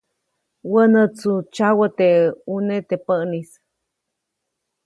Wänätsu tsyawä teʼ ʼune teʼ päʼnis.